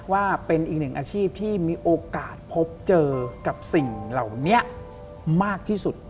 ว่าเป็นอีกหนึ่งอาชีพที่มีโอกาสพบเจอกับสิ่งเหล่านี้มากที่สุด